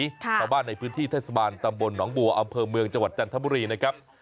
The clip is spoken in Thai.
ชาวบ้านในพื้นที่เทศบาลตำบลหนองบัวอำเภอเมืองจังหวัดจันทบุรีนะครับ